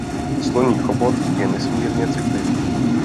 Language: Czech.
Sloní chobot je nesmírně citlivý.